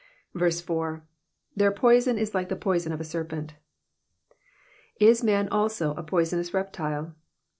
4. ^' Their poison is like the poison of a serpent.'''' Is man also a poisonous reptile